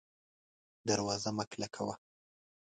دروازه مه کلکه وه